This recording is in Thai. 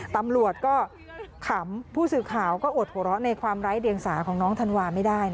ตำรวจก็ขำผู้สื่อข่าวก็อดหัวเราะในความไร้เดียงสาของน้องธันวาไม่ได้